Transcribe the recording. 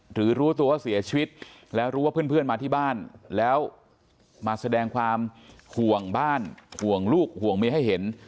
รู้ตัวว่าเสียชีวิตแล้วรู้ว่าเพื่อนมาที่บ้านแล้วมาแสดงความห่วงบ้านห่วงลูกห่วงเมียให้เห็น